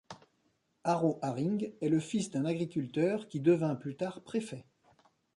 Harro Harring est le fils d'un agriculteur qui devint plus tard préfet.